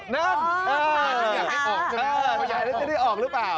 นั่นถ่ายไปจะได้ออกหรือเปล่า